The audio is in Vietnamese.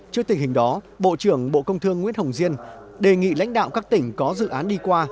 trước tình hình đó bộ trưởng bộ công thương nguyễn hồng diên đề nghị lãnh đạo các tỉnh có dự án đi qua